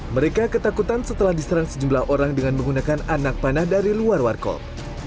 mereka ketakutan setelah diserang sejumlah orang dengan menggunakan anak panah dari luar warkop